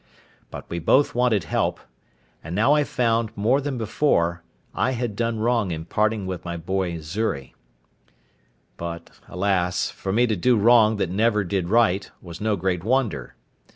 But we both wanted help; and now I found, more than before, I had done wrong in parting with my boy Xury. But, alas! for me to do wrong that never did right, was no great wonder.